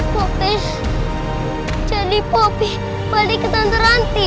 popis jali popis balik ke dantaranti